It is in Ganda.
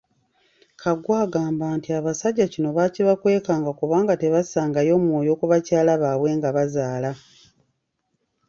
Kaggwa agamba nti abasajja kino baakibakwekanga kubanga tebassangayo mwoyo ku bakyala baabwe nga bazaala.